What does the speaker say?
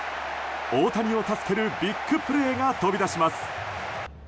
大谷を助けるビッグプレーが飛び出します。